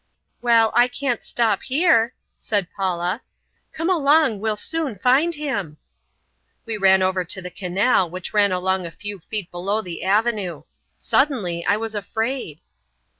"Well, I can't stop here," said Paula. "Come along, we'll soon find him." We ran over to the canal which ran along a few feet below the avenue. Suddenly I was afraid!